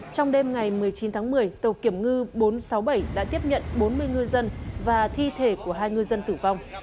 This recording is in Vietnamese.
trong đêm ngày một mươi chín tháng một mươi tàu kiểm ngư bốn trăm sáu mươi bảy đã tiếp nhận bốn mươi ngư dân và thi thể của hai ngư dân tử vong